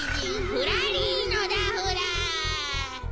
フラリーノだフラ！